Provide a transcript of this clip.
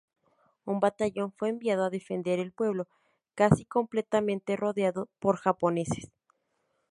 Un batallón fue enviado a defender el pueblo, casi completamente rodeado por japoneses.